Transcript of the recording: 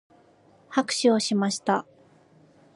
拍手をしました。